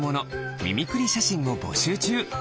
ミミクリーしゃしんをぼしゅうちゅう。